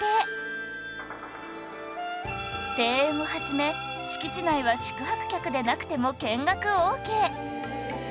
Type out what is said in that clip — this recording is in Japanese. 庭園を始め敷地内は宿泊客でなくても見学オーケー